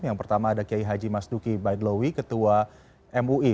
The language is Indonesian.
yang pertama ada kiai haji mas duki baitlawi ketua mui